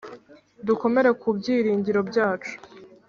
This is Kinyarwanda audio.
Dukomere ku byiringiro byacu